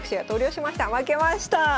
負けました！